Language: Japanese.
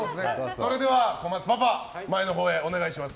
それでは小松パパ前のほうへお願いします。